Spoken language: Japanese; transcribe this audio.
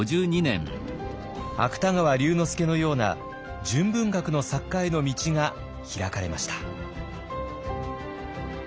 芥川龍之介のような純文学の作家への道が開かれました。